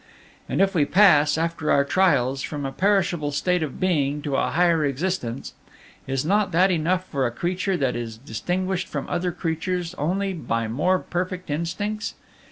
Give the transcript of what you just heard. And if we pass, after our trials, from a perishable state of being to a higher existence, is not that enough for a creature that is distinguished from other creatures only by more perfect instincts?